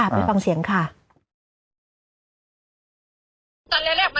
ไปฟังเสียงค่ะ